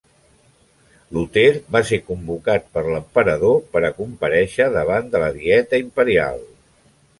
Luter va ser convocat per l'Emperador per a comparèixer davant de la Dieta Imperial.